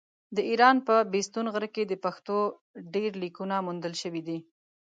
د ايران په بېستون غره کې د پښتو ډبرليکونه موندل شوي دي.